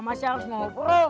masih harus ngobrol